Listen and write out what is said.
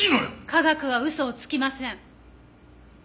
科学は嘘をつきません。